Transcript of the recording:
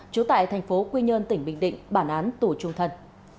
trú tại thành phố quy nhơn tỉnh bình định bản án tù trung thân